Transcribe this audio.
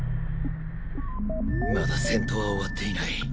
まだ戦闘は終わっていない。